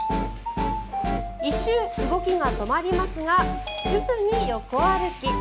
一瞬、動きが止まりますがすぐに横歩き。